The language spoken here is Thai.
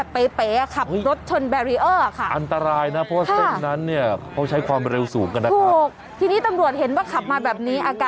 เปิดประตูลงมาแล้วก็แป๋ลลงไปแบบนี้ค่ะ